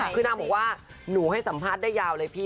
คือนางบอกว่าหนูให้สัมภาษณ์ได้ยาวเลยพี่